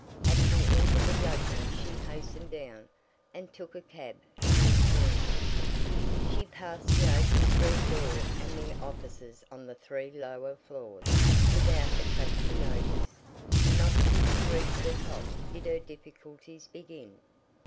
At the end of the judgment she hastened down, and took a cab to his rooms. She passed the open street door and the offices on the three lower floors without attracting notice; not till she reached the top did her difficulties begin.